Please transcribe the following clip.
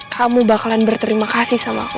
kamu bakalan berterima kasih sama aku